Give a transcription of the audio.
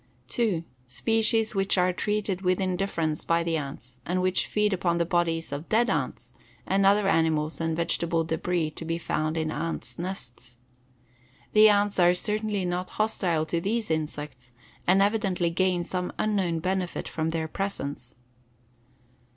2. Species which are treated with indifference by the ants and which feed upon the bodies of dead ants and other animal and vegetable debris to be found in ants' nests. The ants are certainly not hostile to these insects and evidently gain some unknown benefit from their presence.